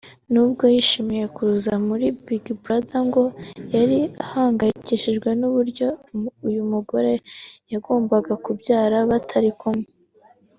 nubwo yishimiye kuza muri Big Brother ngo yari ahangayikishijwe n’uburyo uyu mugore yagombaga kubyara batari kumwe